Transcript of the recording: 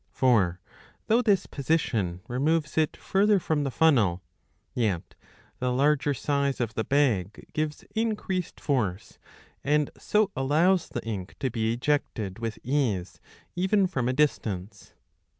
For though this position removes it farther from the funnel, yet the larger size .of the bag gives increased force, and so allows the ink to be ejected wfth ease even from a distance.